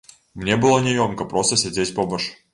Мне было няёмка проста сядзець побач.